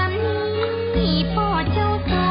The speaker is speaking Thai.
ทรงเป็นน้ำของเรา